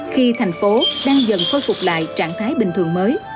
khi thành phố đang dần khôi phục lại trạng thái bình thường mới